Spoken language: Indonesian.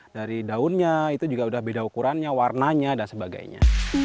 dari daunnya itu juga udah beda ukurannya warnanya dan sebagainya